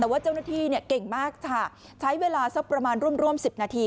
แต่ว่าเจ้าหน้าที่เนี่ยเก่งมากค่ะใช้เวลาสักประมาณร่วมร่วม๑๐นาที